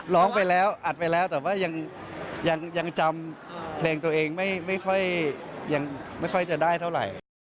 ร้องไปแล้วอัดไปแล้วแต่ว่ายังจำเพลงตัวเองไม่ค่อยยังไม่ค่อยจะได้เท่าไหร่